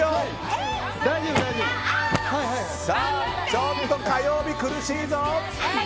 ちょっと火曜日苦しいぞ。